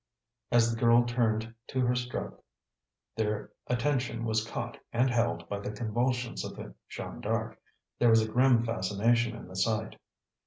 As the girl turned to her stroke, their attention was caught and held by the convulsions of the Jeanne D'Arc. There was a grim fascination in the sight.